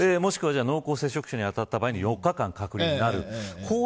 もしくは濃厚接触者に当たったら４日間隔離になる。